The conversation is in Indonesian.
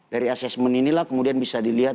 dari assessment inilah kemudian bisa dilihat